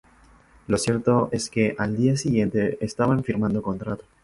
Lo cierto es que al día siguiente estaban firmando contrato.